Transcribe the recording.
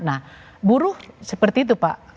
nah buruh seperti itu pak